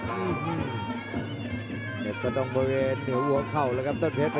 อื้มหรือต้องบกบนหัวเข้านะครับต้นเพชร